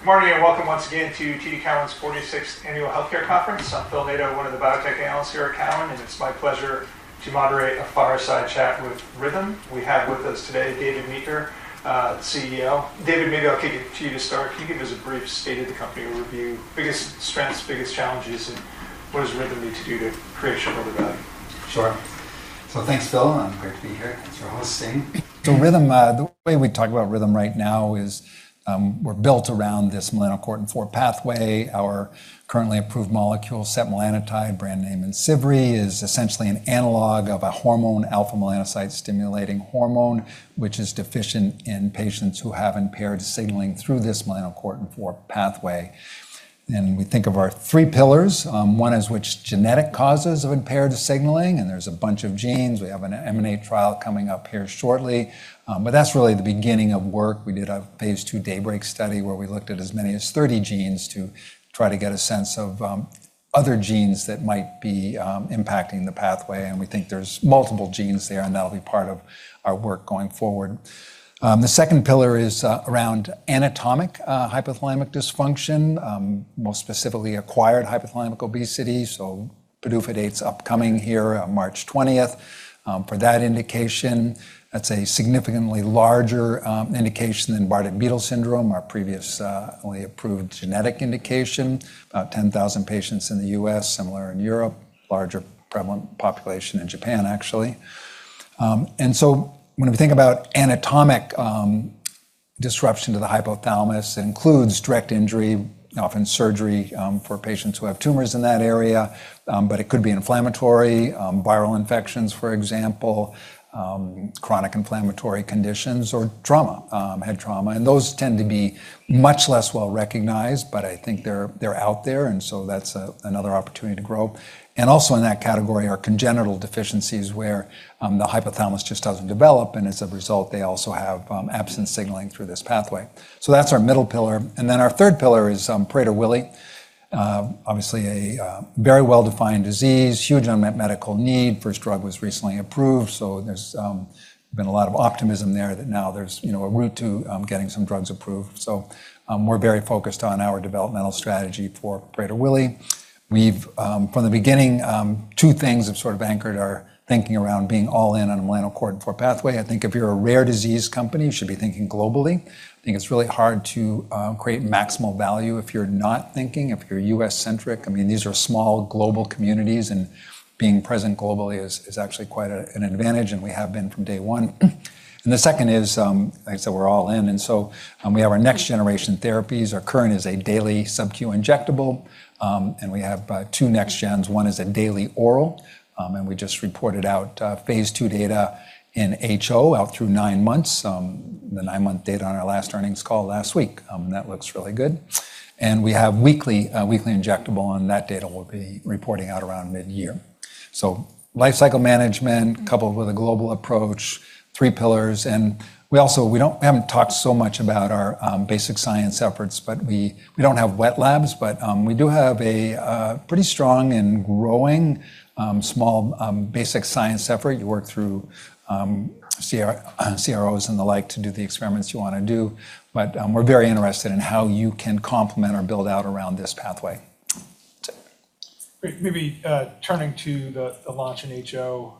Good morning, welcome once again to TD Cowen's 46th Annual Healthcare Conference. I'm Phil Nadeau, one of the biotech analysts here at Cowen, and it's my pleasure to moderate a fireside chat with Rhythm. We have with us today David Meeker, CEO. David, maybe I'll kick it to you to start. Can you give us a brief state of the company review, biggest strengths, biggest challenges, and what does Rhythm need to do to create shareholder value? Sure. Thanks, Phil, and I'm great to be here. Thanks for hosting. Rhythm, the way we talk about Rhythm right now is we're built around this melanocortin-4 pathway. Our currently approved molecule, setmelanotide, brand name IMCIVREE, is essentially an analog of a hormone, alpha-melanocyte-stimulating hormone, which is deficient in patients who have impaired signaling through this melanocortin-4 pathway. We think of our three pillars. One is which genetic causes of impaired signaling, and there's a bunch of genes. We have an M&A trial coming up here shortly. That's really the beginning of work. We did a phase II DAYBREAK study where we looked at as many as 30 genes to try to get a sense of, other genes that might be, impacting the pathway. We think there's multiple genes there, and that'll be part of our work going forward. The second pillar is around anatomic, hypothalamic dysfunction, most specifically acquired hypothalamic obesity. PDUFA date's upcoming here on March 20th, for that indication. That's a significantly larger, indication than Bardet-Biedl syndrome, our previous, only approved genetic indication. About 10,000 patients in the U.S., similar in Europe, larger prevalent population in Japan, actually. When we think about anatomic disruption to the hypothalamus, it includes direct injury, often surgery, for patients who have tumors in that area, but it could be inflammatory, viral infections, for example, chronic inflammatory conditions or trauma, head trauma. Those tend to be much less well-recognized, but I think they're out there, that's another opportunity to grow. Also in that category are congenital deficiencies where the hypothalamus just doesn't develop, and as a result, they also have absent signaling through this pathway. That's our middle pillar. Our third pillar is Prader-Willi. Obviously a very well-defined disease, huge unmet medical need. First drug was recently approved, there's been a lot of optimism there that now there's, you know, a route to getting some drugs approved. We're very focused on our developmental strategy for Prader-Willi. We've, from the beginning, two things have sort of anchored our thinking around being all in on melanocortin four pathway. I think if you're a rare disease company, you should be thinking globally. I think it's really hard to create maximal value if you're not thinking, if you're US-centric. I mean, these are small global communities, and being present globally is actually quite an advantage, and we have been from day one. The second is, like I said, we're all in, we have our next generation therapies. Our current is a daily subq injectable, and we have two next gens. One is a daily oral, and we just reported out phase II data in HO out through nine months. The nine-month data on our last earnings call last week, that looks really good. We have weekly injectable, and that data we'll be reporting out around mid-year. Lifecycle management coupled with a global approach, three pillars. We also, we haven't talked so much about our basic science efforts, but we don't have wet labs, but we do have a pretty strong and growing small basic science effort. You work through CROs and the like to do the experiments you wanna do. We're very interested in how you can complement or build out around this pathway. Great. Maybe turning to the launch in HO,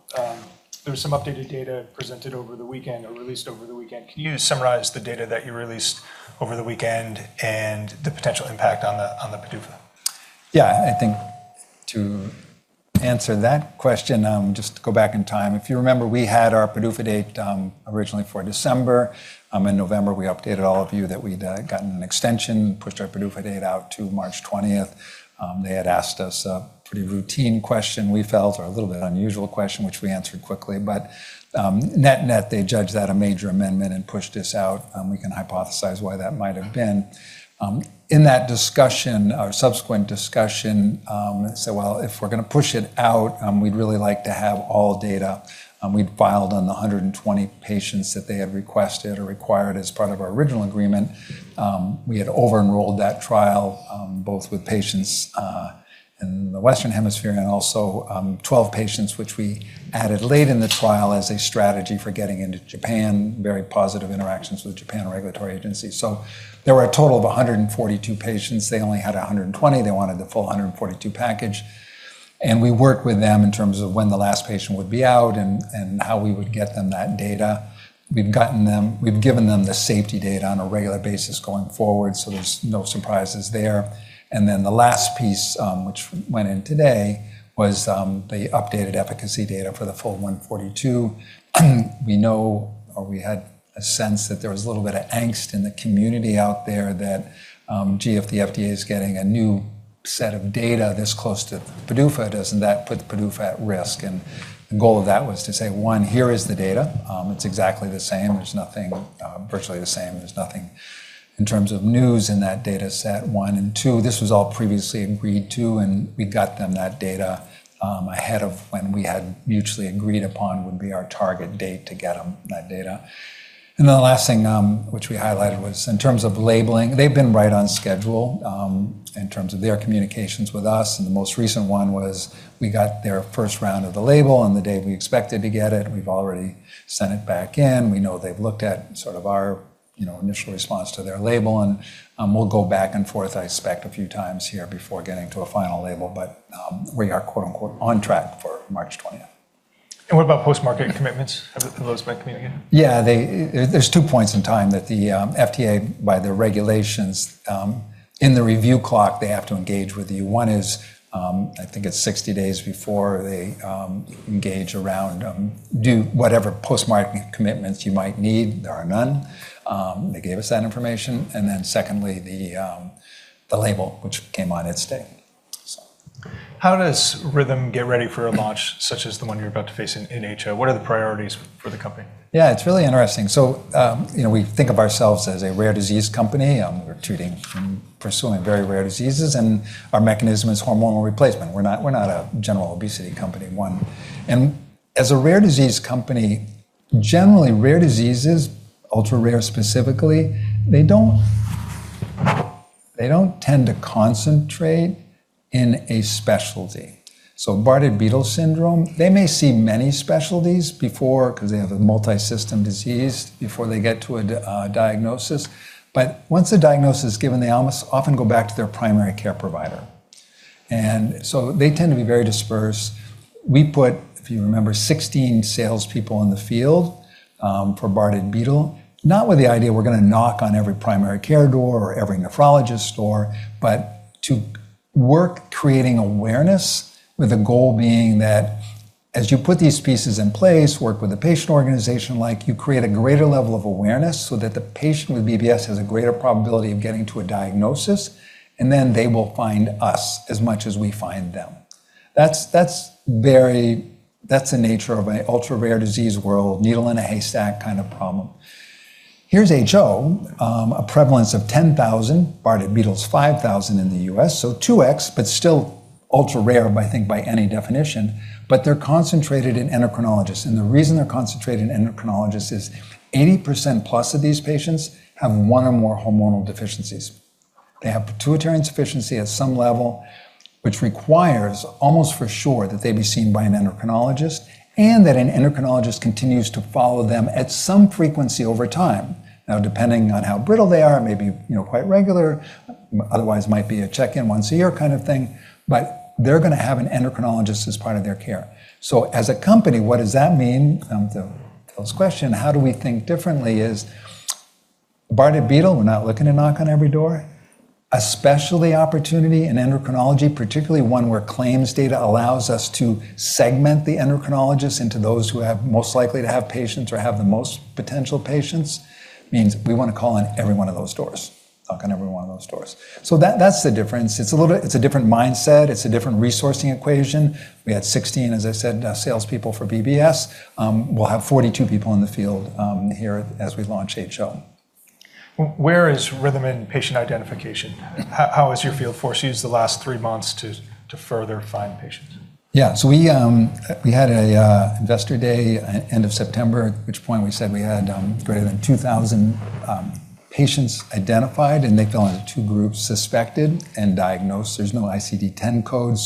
there was some updated data presented over the weekend or released over the weekend. Can you summarize the data that you released over the weekend and the potential impact on the PDUFA? Yeah. I think to answer that question, just to go back in time. If you remember, we had our PDUFA date, originally for December. In November, we updated all of you that we'd gotten an extension, pushed our PDUFA date out to March twentieth. They had asked us a pretty routine question, we felt, or a little bit unusual question, which we answered quickly. Net net, they judged that a major amendment and pushed us out. We can hypothesize why that might have been. In that discussion or subsequent discussion, said, "Well, if we're gonna push it out, we'd really like to have all data, we'd filed on the 120 patients that they had requested or required as part of our original agreement." We had over-enrolled that trial, both with patients in the Western Hemisphere and also 12 patients which we added late in the trial as a strategy for getting into Japan, very positive interactions with Japan regulatory agencies. There were a total of 142 patients. They only had 120. They wanted the full 142 package. We worked with them in terms of when the last patient would be out and how we would get them that data. We'd given them the safety data on a regular basis going forward, so there's no surprises there. Then the last piece, which went in today, was the updated efficacy data for the full 142. We know or we had a sense that there was a little bit of angst in the community out there that, gee, if the FDA is getting a new set of data this close to PDUFA, doesn't that put the PDUFA at risk? The goal of that was to say, one, here is the data. It's exactly the same. There's nothing, virtually the same. There's nothing in terms of news in that dataset, one. Two, this was all previously agreed to, and we got them that data ahead of when we had mutually agreed upon would be our target date to get them that data. The last thing, which we highlighted was in terms of labeling, they've been right on schedule in terms of their communications with us, and the most recent one was we got their first round of the label on the day we expected to get it. We've already sent it back in. We know they've looked at sort of our you know, initial response to their label, and we'll go back and forth, I expect, a few times here before getting to a final label. We are, quote-unquote, "On track for March 20th. What about post-market commitments? Have those been communicated? Yeah. There's two points in time that the FDA, by their regulations, in the review clock, they have to engage with you. One is, I think it's 60 days before they engage around do whatever post-market commitments you might need. There are none. They gave us that information. Secondly, the label, which came on its day. So. How does Rhythm get ready for a launch such as the one you're about to face in HO? What are the priorities for the company? Yeah, it's really interesting. You know, we think of ourselves as a rare disease company. We're treating, pursuing very rare diseases, and our mechanism is hormonal replacement. We're not a general obesity company, one. As a rare disease company, generally rare diseases, ultra-rare specifically, they don't tend to concentrate in a specialty. Bardet-Biedl syndrome, they may see many specialties before, 'cause they have a multi-system disease, before they get to a diagnosis. Once the diagnosis is given, they almost often go back to their primary care provider. They tend to be very dispersed. We put, if you remember, 16 salespeople in the field for Bardet-Biedl, not with the idea we're gonna knock on every primary care door or every nephrologist door, but to work creating awareness with the goal being that as you put these pieces in place, work with a patient organization like you create a greater level of awareness so that the patient with BBS has a greater probability of getting to a diagnosis, and then they will find us as much as we find them. That's the nature of an ultra-rare disease world, needle in a haystack kind of problem. Here's HO, a prevalence of 10,000, Bardet-Biedl's 5,000 in the U.S., so 2x, but still ultra-rare by, I think, by any definition. They're concentrated in endocrinologists, and the reason they're concentrated in endocrinologists is 80% plus of these patients have one or more hormonal deficiencies. They have pituitary insufficiency at some level, which requires almost for sure that they be seen by an endocrinologist and that an endocrinologist continues to follow them at some frequency over time. Now, depending on how brittle they are, it may be, you know, quite regular, otherwise might be a check-in once a year kind of thing, but they're gonna have an endocrinologist as part of their care. As a company, what does that mean? To Phil's question, how do we think differently is Bardet-Biedl, we're not looking to knock on every door. A specialty opportunity in endocrinology, particularly one where claims data allows us to segment the endocrinologists into those who have most likely to have patients or have the most potential patients, means we wanna call on every one of those doors, knock on every one of those doors. That's the difference. It's a different mindset. It's a different resourcing equation. We had 16, as I said, salespeople for BBS. We'll have 42 people in the field here as we launch HO. Where is Rhythm in patient identification? How has your field force used the last three months to further find patients? Yeah. We had a investor day end of September, at which point we said we had greater than 2,000 patients identified, and they fell into two groups, suspected and diagnosed. There's no ICD-10 code.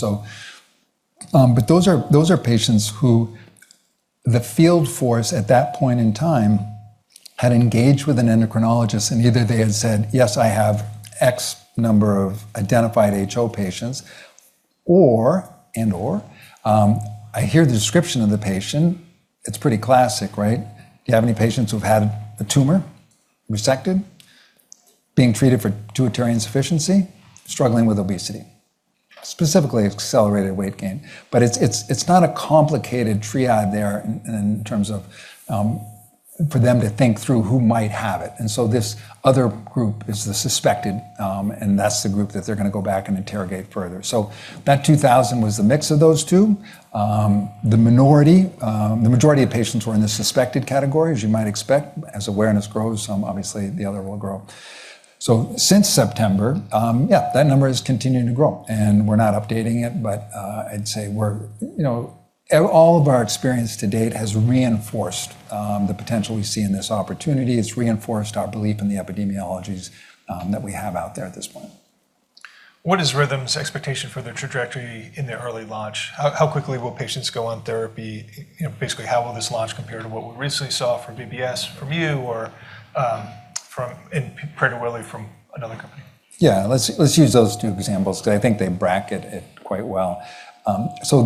Those are patients who the field force at that point in time had engaged with an endocrinologist, and either they had said, "Yes, I have X number of identified HO patients," or, and/or, I hear the description of the patient. It's pretty classic, right? Do you have any patients who've had a tumor resected, being treated for pituitary insufficiency, struggling with obesity? Specifically accelerated weight gain. It's not a complicated triad there in terms of for them to think through who might have it. This other group is the suspected, and that's the group that they're gonna go back and interrogate further. That 2,000 was the mix of those two. The majority of patients were in the suspected category, as you might expect. As awareness grows, some obviously the other will grow. Since September, yeah, that number has continued to grow. We're not updating it, but, I'd say we're, you know, all of our experience to date has reinforced the potential we see in this opportunity. It's reinforced our belief in the epidemiologies that we have out there at this point. What is Rhythm's expectation for their trajectory in their early launch? How quickly will patients go on therapy? You know, basically, how will this launch compare to what we recently saw from BBS from you or, from in Prader-Willi from another company? Yeah. Let's use those two examples 'cause I think they bracket it quite well.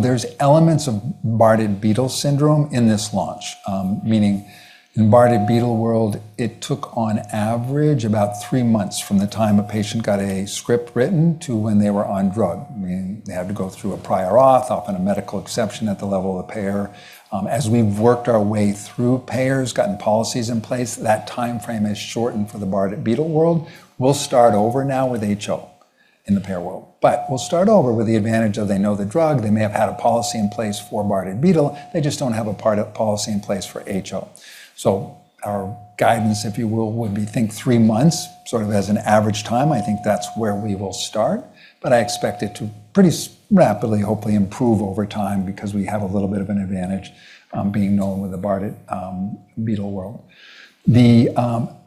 There's elements of Bardet-Biedl syndrome in this launch. Meaning in Bardet-Biedl world, it took on average about three months from the time a patient got a script written to when they were on drug, meaning they had to go through a prior auth, often a medical exception at the level of the payer. As we've worked our way through payers, gotten policies in place, that timeframe has shortened for the Bardet-Biedl world. We'll start over now with HO in the payer world. We'll start over with the advantage of they know the drug. They may have had a policy in place for Bardet-Biedl. They just don't have a part of policy in place for HO. Our guidance, if you will, would be think three months sort of as an average time. I think that's where we will start, but I expect it to pretty rapidly, hopefully improve over time because we have a little bit of an advantage, being known with the Bardet-Biedl world.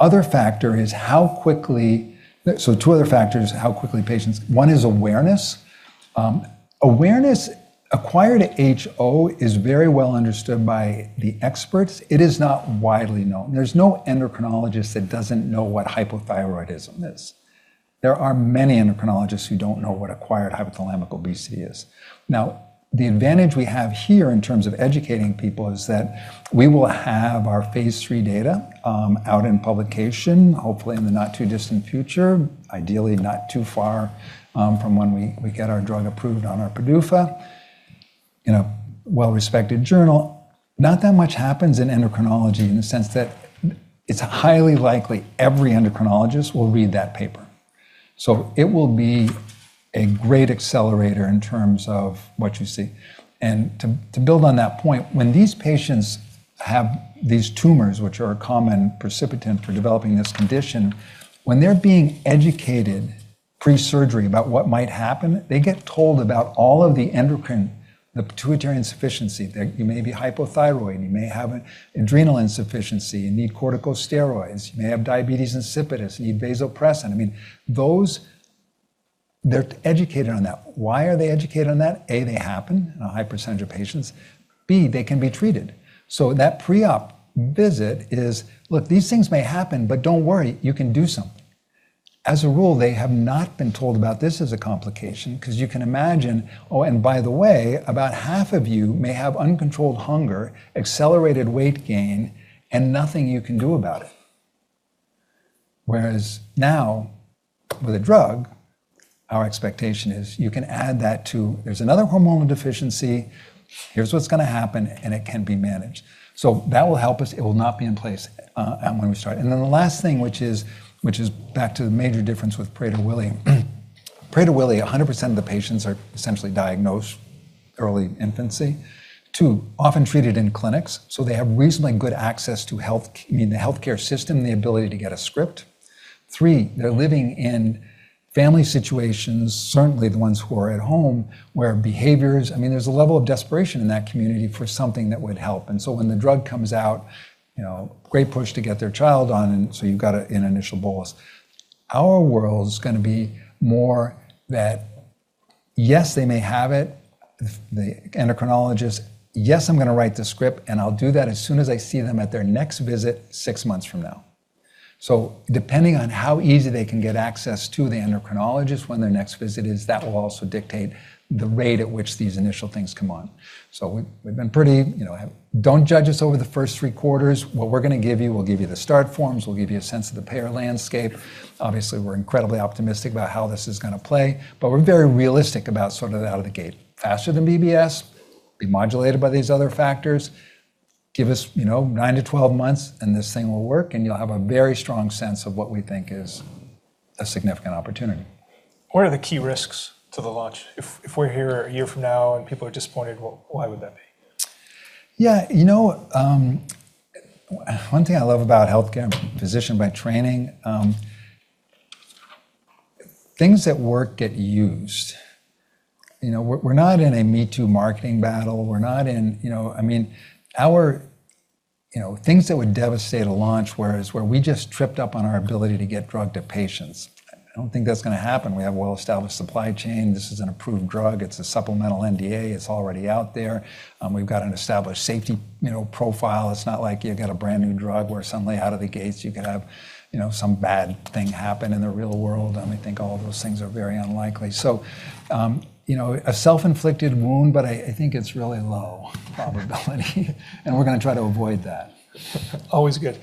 other factor is two other factors, how quickly patients... One is awareness. Awareness acquired HO is very well understood by the experts. It is not widely known. There's no endocrinologist that doesn't know what hypothyroidism is. There are many endocrinologists who don't know what acquired hypothalamic obesity is. The advantage we have here in terms of educating people is that we will have our phase III data out in publication, hopefully in the not-too-distant future, ideally not too far from when we get our drug approved on our PDUFA in a well-respected journal. Not that much happens in endocrinology in the sense that it's highly likely every endocrinologist will read that paper. It will be a great accelerator in terms of what you see. To build on that point, when these patients have these tumors, which are a common precipitant for developing this condition, when they're being educated pre-surgery about what might happen, they get told about all of the endocrine, the pituitary insufficiency, that you may be hypothyroid, you may have an adrenal insufficiency and need corticosteroids. You may have diabetes insipidus and need vasopressin. I mean, they're educated on that. Why are they educated on that? A, they happen in a high % of patients. B, they can be treated. That pre-op visit is, "Look, these things may happen, but don't worry, you can do something." As a rule, they have not been told about this as a complication because you can imagine, "Oh, and by the way, about half of you may have uncontrolled hunger, accelerated weight gain, and nothing you can do about it." Whereas now with a drug, our expectation is you can add that to, there's another hormonal deficiency, here's what's gonna happen, and it can be managed. That will help us. It will not be in place when we start. The last thing, which is back to the major difference with Prader-Willi. Prader-Willi, 100% of the patients are essentially diagnosed early infancy. 2, often treated in clinics, so they have reasonably good access to the healthcare system, the ability to get a script. 3, they're living in family situations, certainly the ones who are at home, where I mean, there's a level of desperation in that community for something that would help. When the drug comes out, you know, great push to get their child on, you've got an initial bolus. Our world is gonna be more that, yes, they may have it. The endocrinologist, "Yes, I'm gonna write the script, and I'll do that as soon as I see them at their next visit six months from now." Depending on how easy they can get access to the endocrinologist when their next visit is, that will also dictate the rate at which these initial things come on. We've been pretty, you know. Don't judge us over the first three quarters. What we're gonna give you, we'll give you the start forms. We'll give you a sense of the payer landscape. Obviously, we're incredibly optimistic about how this is gonna play, but we're very realistic about sort of out of the gate. Faster than BBS, be modulated by these other factors. Give us, you know, nine to 12 months, and this thing will work, and you'll have a very strong sense of what we think is a significant opportunity. What are the key risks to the launch? If we're here a year from now and people are disappointed, why would that be? You know, one thing I love about healthcare, I'm a physician by training, things that work get used. You know, we're not in a me-too marketing battle. We're not in, you know, I mean, our, you know, things that would devastate a launch, whereas where we just tripped up on our ability to get drug to patients. I don't think that's gonna happen. We have a well-established supply chain. This is an approved drug. It's a supplemental NDA. It's already out there. We've got an established safety, you know, profile. It's not like you've got a brand-new drug where suddenly out of the gates you could have, you know, some bad thing happen in the real world, and we think all of those things are very unlikely. You know, a self-inflicted wound, but I think it's really low probability, and we're gonna try to avoid that. Always good.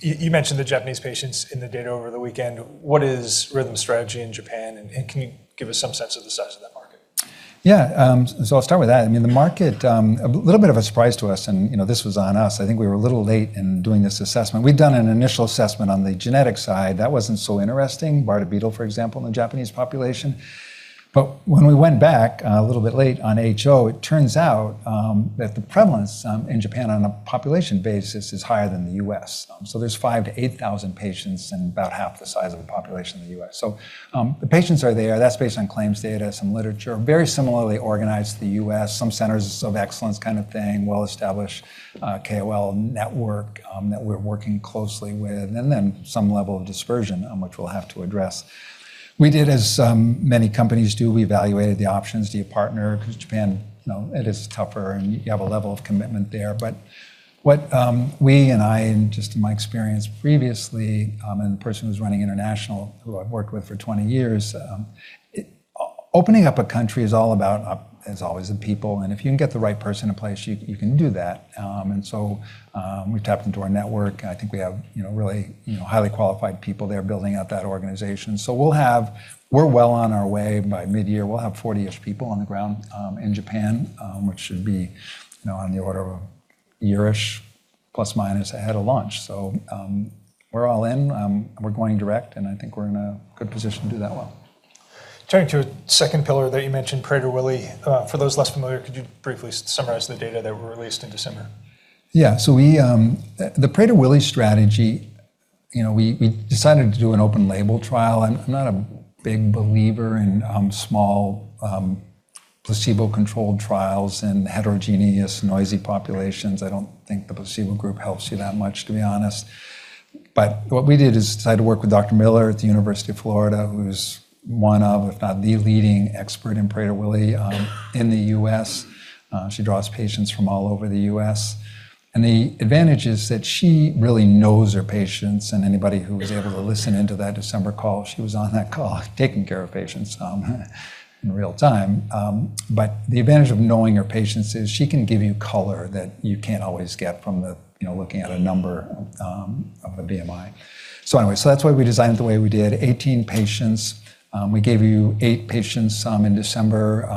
You mentioned the Japanese patients in the data over the weekend. What is Rhythm's strategy in Japan, and can you give us some sense of the size of that market? I'll start with that. I mean, the market, a little bit of a surprise to us, and, you know, this was on us. I think we were a little late in doing this assessment. We'd done an initial assessment on the genetic side. That wasn't so interesting. Bardet-Biedl, for example, in the Japanese population. When we went back a little bit late on HO, it turns out that the prevalence in Japan on a population basis is higher than the U.S. There's 5,000 to 8,000 patients and about half the size of the population in the U.S. The patients are there. That's based on claims data, some literature. Very similarly organized to the U.S., some centers of excellence kind of thing, well-established, KOL network that we're working closely with, and then some level of dispersion, which we'll have to address. We did as many companies do. We evaluated the options. Do you partner? Japan, you know, it is tougher, and you have a level of commitment there. What we and I and just in my experience previously, and the person who's running international, who I've worked with for 20 years, opening up a country is all about is always the people, and if you can get the right person in place, you can do that. We've tapped into our network, and I think we have, you know, really, you know, highly qualified people there building up that organization. We're well on our way. By midyear, we'll have 40-ish people on the ground in Japan, which should be, you know, on the order of a year-ish plus or minus ahead of launch. We're all in. We're going direct, and I think we're in a good position to do that well. Turning to a second pillar that you mentioned, Prader-Willi, for those less familiar, could you briefly summarize the data that were released in December? Yeah. We, the Prader-Willi strategy, you know, we decided to do an open label trial. I'm not a big believer in small placebo-controlled trials and heterogeneous, noisy populations. I don't think the placebo group helps you that much, to be honest. What we did is decided to work with Dr. Miller at the University of Florida, who's one of, if not the leading expert in Prader-Willi in the U.S. She draws patients from all over the U.S. The advantage is that she really knows her patients and anybody who was able to listen into that December call, she was on that call taking care of patients in real time. The advantage of knowing her patients is she can give you color that you can't always get from the, you know, looking at a number of a BMI. Anyway. That's why we designed it the way we did. 18 patients, we gave you eight patients in December,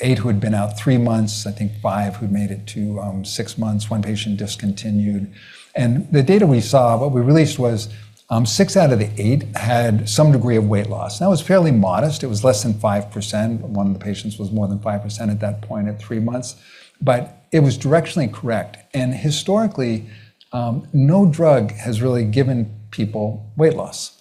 eight who had been out three months, I think five who made it to six months, one patient discontinued. The data we saw, what we released was, six out of the eight had some degree of weight loss. Now, it was fairly modest. It was less than 5%. 1 of the patients was more than 5% at that point at three months, but it was directionally correct. Historically, no drug has really given people weight loss.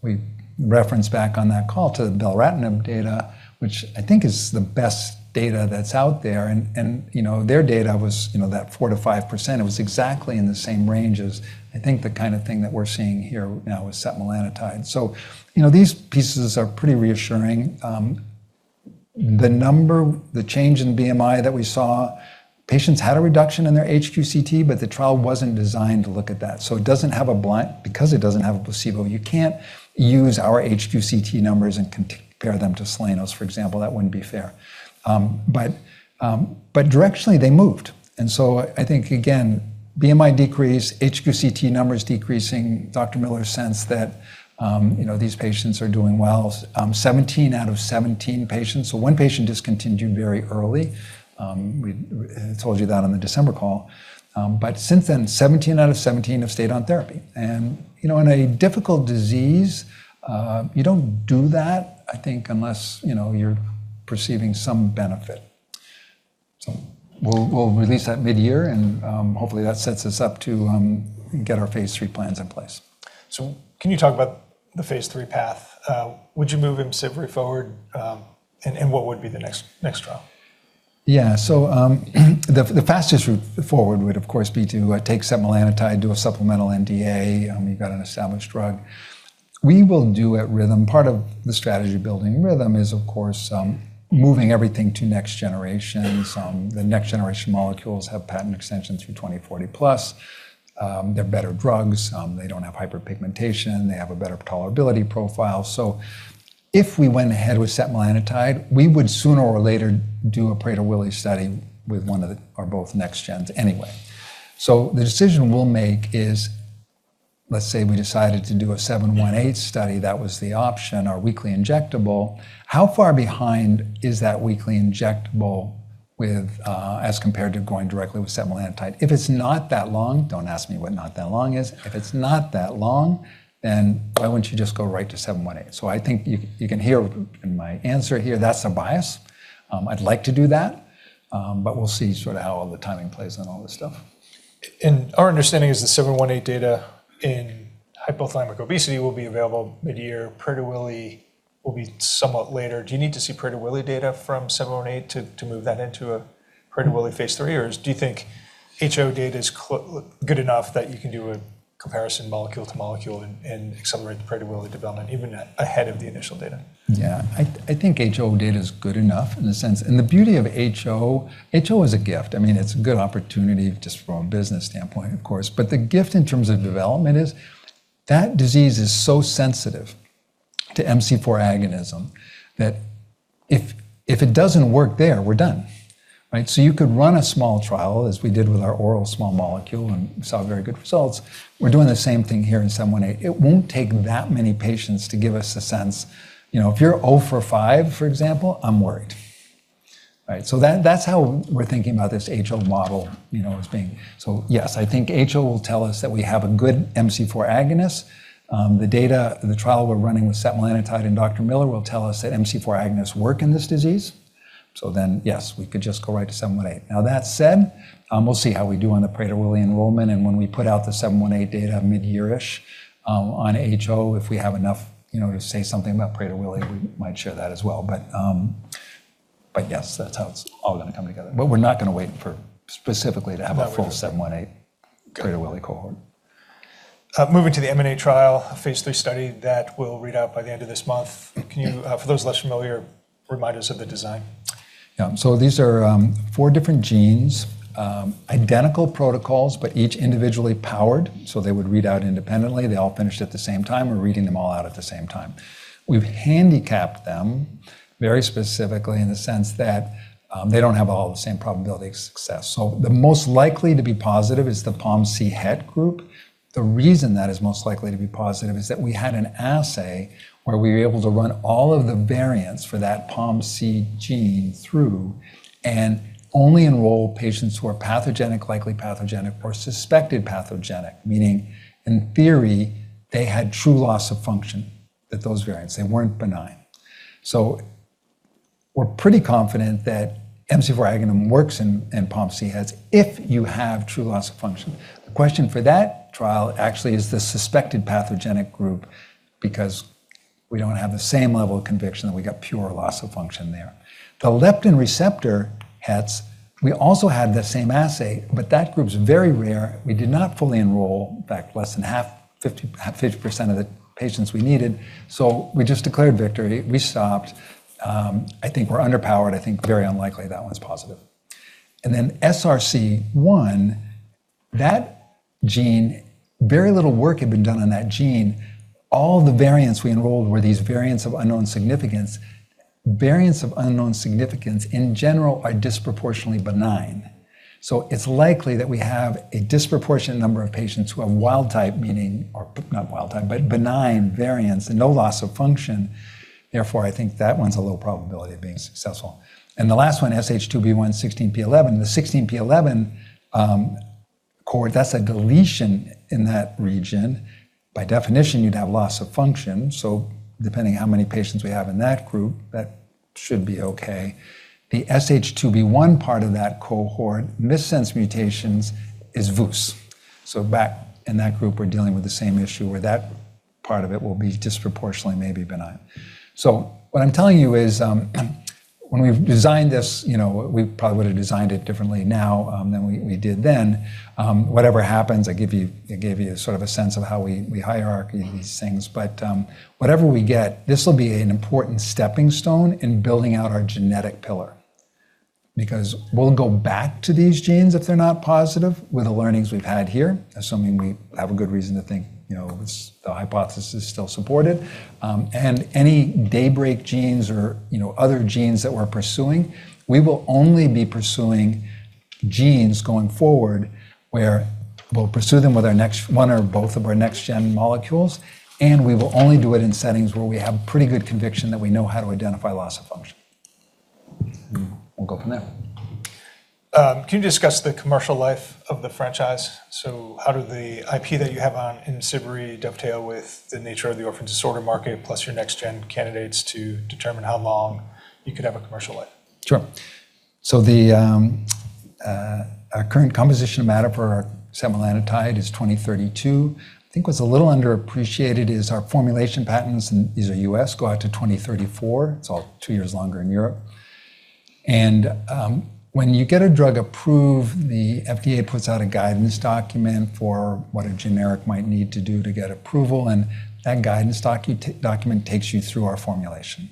We referenced back on that call to the dazloretinib data, which I think is the best data that's out there, and, you know, their data was, you know, that 4%-5%. It was exactly in the same range as I think the kinda thing that we're seeing here now with setmelanotide. You know, these pieces are pretty reassuring. The number, the change in BMI that we saw, patients had a reduction in their HQ-CT, but the trial wasn't designed to look at that. It doesn't have a blind. Because it doesn't have a placebo, you can't use our HQ-CT numbers and compare them to Soleno's, for example. That wouldn't be fair. Directionally, they moved. I think, again, BMI decrease, HQ-CT numbers decreasing, Dr. Miller's sense that, you know, these patients are doing well. 17 out of 17 patients. One patient discontinued very early, we told you that on the December call. Since then, 17 out of 17 have stayed on therapy. You know, in a difficult disease, you don't do that, I think, unless, you know, you're perceiving some benefit. We'll, we'll release that mid-year, and, hopefully, that sets us up to get our phase III plans in place. Can you talk about the phase III path? Would you move IMCIVREE forward, and what would be the next trial? The fastest route forward would, of course, be to take setmelanotide, do a supplemental NDA. You've got an established drug. We will do at Rhythm, part of the strategy building Rhythm is, of course, moving everything to next generations. The next generation molecules have patent extensions through 2040+. They're better drugs. They don't have hyperpigmentation. They have a better tolerability profile. If we went ahead with setmelanotide, we would sooner or later do a Prader-Willi study with one of the or both next gens anyway. The decision we'll make is, let's say we decided to do an RM-718 study, that was the option, our weekly injectable. How far behind is that weekly injectable with as compared to going directly with setmelanotide? If it's not that long, don't ask me what not that long is. If it's not that long, why wouldn't you just go right to RM-718? I think you can hear in my answer here, that's a bias. I'd like to do that. We'll see sort of how all the timing plays on all this stuff. Our understanding is the RM-718 data in hypothalamic obesity will be available mid-year. Prader-Willi will be somewhat later. Do you need to see Prader-Willi data from RM-718 to move that into a Prader-Willi phase III, or do you think HO data is good enough that you can do a comparison molecule to molecule and accelerate the Prader-Willi development even ahead of the initial data? Yeah. I think HO data is good enough in a sense. The beauty of HO is a gift. I mean, it's a good opportunity just from a business standpoint, of course. The gift in terms of development is that disease is so sensitive to MC4R agonism that if it doesn't work there, we're done, right? You could run a small trial, as we did with our oral small molecule, and we saw very good results. We're doing the same thing here in RM-718. It won't take that many patients to give us a sense. You know, if you're O for five, for example, I'm worried. Right? That's how we're thinking about this HO model, you know, as being. Yes, I think HO will tell us that we have a good MC4R agonist. The data, the trial we're running with setmelanotide and Dr. Miller will tell us that MC4R agonists work in this disease. Yes, we could just go right to RM-718. Now, that said, we'll see how we do on the Prader-Willi enrollment. When we put out the RM-718 data midyear-ish, on HO, if we have enough, you know, to say something about Prader-Willi, we might share that as well. But yes, that's how it's all gonna come together. We're not gonna wait for specifically to have a full RM-718 Prader-Willi cohort. Moving to the M&A trial, a phase III study that will read out by the end of this month. Can you, for those less familiar, remind us of the design? Yeah. These are four different genes, identical protocols, but each individually powered, so they would read out independently. They all finished at the same time. We're reading them all out at the same time. We've handicapped them very specifically in the sense that they don't have all the same probability of success. The most likely to be positive is the POMC Het group. The reason that is most likely to be positive is that we had an assay where we were able to run all of the variants for that POMC gene through and only enroll patients who are pathogenic, likely pathogenic, or suspected pathogenic, meaning in theory, they had true loss of function at those variants. They weren't benign. We're pretty confident that MC4R agonist works in POMC Hets if you have true loss of function. The question for that trial actually is the suspected pathogenic group because we don't have the same level of conviction that we got pure loss of function there. The leptin receptor Hets, we also had the same assay, that group's very rare. We did not fully enroll, in fact, less than 50% of the patients we needed. We just declared victory. We stopped. I think we're underpowered. I think very unlikely that one's positive. SRC1, that gene, very little work had been done on that gene. All the variants we enrolled were these variants of unknown significance. Variants of unknown significance, in general, are disproportionately benign. It's likely that we have a disproportionate number of patients who have wild type, Or not wild type, but benign variants and no loss of function. I think that one's a low probability of being successful. The last one, SH2B1 16p11. The 16p11 core, that's a deletion in that region. By definition, you'd have loss of function, depending how many patients we have in that group, that should be okay. The SH2B1 part of that cohort, missense mutations is VUS. Back in that group, we're dealing with the same issue where that part of it will be disproportionately maybe benign. What I'm telling you is, when we've designed this, you know, we probably would have designed it differently now than we did then. Whatever happens, I gave you a sort of a sense of how we hierarchy these things. Whatever we get, this will be an important stepping stone in building out our genetic pillar because we'll go back to these genes if they're not positive with the learnings we've had here, assuming we have a good reason to think, you know, the hypothesis is still supported. Any DAYBREAK genes or, you know, other genes that we're pursuing, we will only be pursuing genes going forward where we'll pursue them with one or both of our next gen molecules, and we will only do it in settings where we have pretty good conviction that we know how to identify loss of function. We'll go from there. Can you discuss the commercial life of the franchise? How do the IP that you have on IMCIVREE dovetail with the nature of the orphan disorder market, plus your next gen candidates to determine how long you could have a commercial life? Sure. The our current composition of matter for our setmelanotide is 2032. I think what's a little underappreciated is our formulation patents, and these are U.S., go out to 2034. It's all two years longer in Europe. When you get a drug approved, the FDA puts out a guidance document for what a generic might need to do to get approval, and that guidance document takes you through our formulation.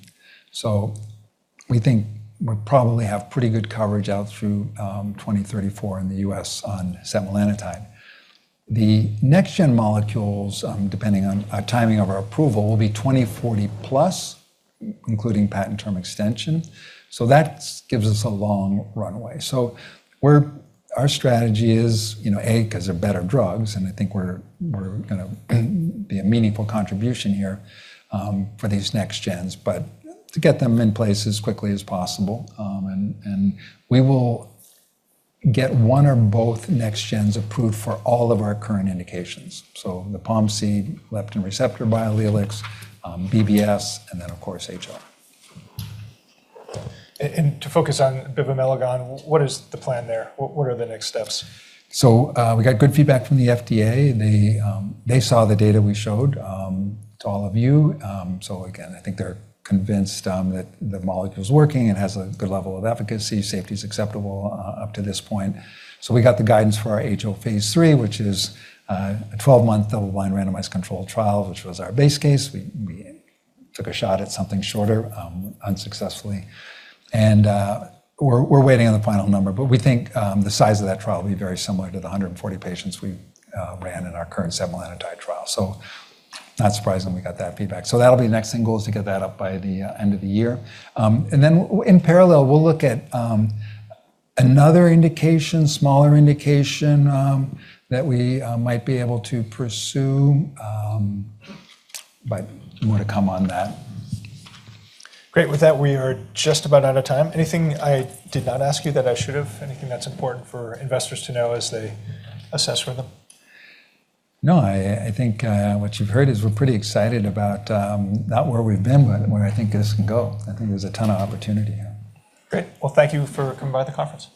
We think we'll probably have pretty good coverage out through 2034 in the U.S. on setmelanotide. The next gen molecules, depending on our timing of our approval, will be 2040+ including patent term extension. That's gives us a long runway. Our strategy is, you know, A, 'cause they're better drugs, and I think we're gonna be a meaningful contribution here, for these next gens. To get them in place as quickly as possible, and we will get one or both next gens approved for all of our current indications. The POMC, leptin receptor biallelic, BBS, and then of course HO. To focus on bivamelagon, what is the plan there? What are the next steps? We got good feedback from the FDA. They saw the data we showed to all of you. Again, I think they're convinced that the molecule's working and has a good level of efficacy. Safety's acceptable up to this point. We got the guidance for our HO phase III, which is a 12-month, double-blind, randomized controlled trial, which was our base case. We took a shot at something shorter unsuccessfully. We're waiting on the final number, but we think the size of that trial will be very similar to the 140 patients we ran in our current setmelanotide trial. Not surprising we got that feedback. That'll be the next thing. Goal is to get that up by the end of the year. Then in parallel, we'll look at another indication, smaller indication, that we might be able to pursue, but more to come on that. Great. With that, we are just about out of time. Anything I did not ask you that I should have? Anything that's important for investors to know as they assess Rhythm? I think what you've heard is we're pretty excited about not where we've been, but where I think this can go. I think there's a ton of opportunity here. Great. Well, thank you for coming by the conference.